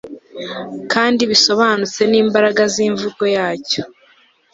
kandi bisobanutse n'imbaraga z'imvugo yacyo